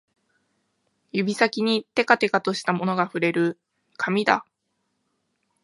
指先にてかてかとしたものが触れる、紙だ